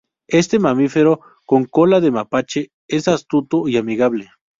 Este mamífero con cola de mapache es astuto y amigable.